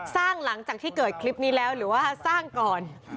หลังจากที่เกิดคลิปนี้แล้วหรือว่าสร้างก่อน